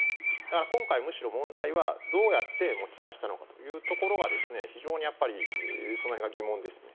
今回、むしろ問題はどうやって持ち出したのかというところは非常に、その辺が疑問ですね。